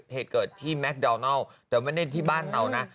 เหตุเกิดที่แมคดาวนัลแต่ไม่ได้ที่บ้านเรานะ